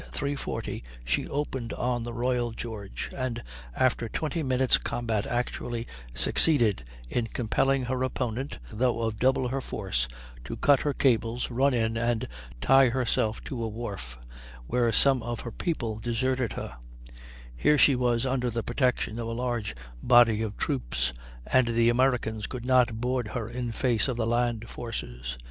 40 she opened on the Royal George, and after 20 minutes' combat actually succeeded in compelling her opponent, though of double her force, to cut her cables, run in, and tie herself to a wharf, where some of her people deserted her; here she was under the protection of a large body of troops, and the Americans could not board her in face of the land forces.